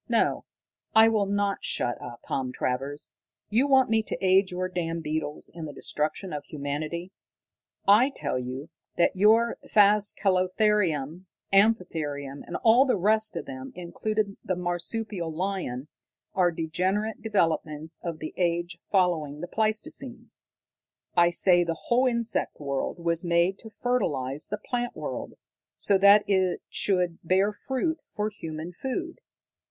No, I will not shut up, Tom Travers! You want me to aid your damned beetles in the destruction of humanity! I tell you that your phascalotherium, amphitherium, and all the rest of them, including the marsupial lion, are degenerate developments of the age following the pleistocene. I say the whole insect world was made to fertilize the plant world, so that it should bear fruit for human food.